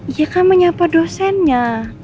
iya kan menyapa dosennya